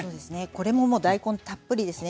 これももう大根たっぷりですね。